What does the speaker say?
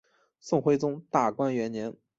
宋徽宗大观元年。